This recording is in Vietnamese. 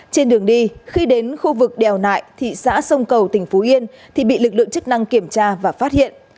trên đường đi khi đến khu vực đèo nại thị xã sông cầu tỉnh phú yên thì bị lực lượng chức năng kiểm tra và phát hiện